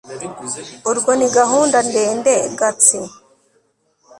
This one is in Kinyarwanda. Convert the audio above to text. urwo ni gahunda ndende. gatsi